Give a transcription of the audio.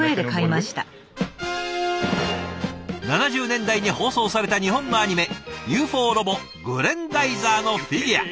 ７０年代に放送された日本のアニメ「ＵＦＯロボグレンダイザー」のフィギュア。